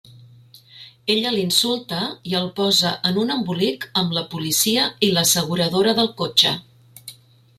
Ella l'insulta i el posa en un embolic amb la policia i l'asseguradora del cotxe.